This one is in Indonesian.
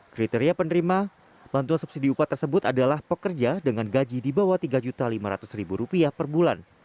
kriteria penerima bantuan subsidi upah tersebut adalah pekerja dengan gaji di bawah rp tiga lima ratus per bulan